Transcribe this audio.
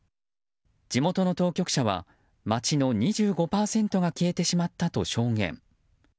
地元の当局者は、街の２５％が消えてしまったと証言。